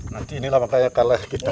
nanti inilah makanya kalah kita